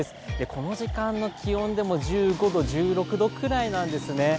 この時間の気温でも１５度、１６度くらいなんですね。